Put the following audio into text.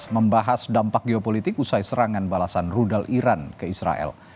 membahas dampak geopolitik usai serangan balasan rudal iran ke israel